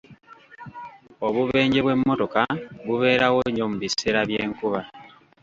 Obubenje bw'emmotoka bubeerawo nnyo mu biseera by'enkuba.